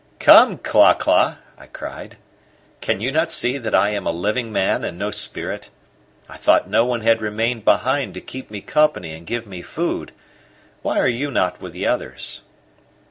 "Come, Cla cla," I cried; "can you not see that I am a living man and no spirit? I thought no one had remained behind to keep me company and give me food. Why are you not with the others?"